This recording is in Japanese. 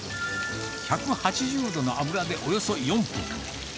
１８０度の油でおよそ４分。